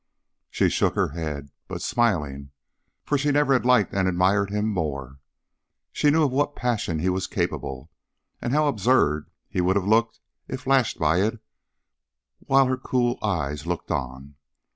She shook her head, but smiling, for she never had liked and admired him more. She knew of what passion he was capable, and how absurd he would have looked if lashed by it while her cool eyes looked on.